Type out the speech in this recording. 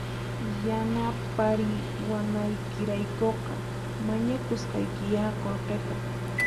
Yanapariwanaykiraykuqa mañayusqaykiya qullqita